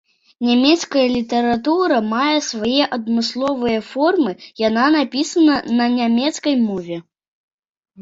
Нямецкая літаратура мае свае адмысловыя формы, яна напісана на нямецкай мове.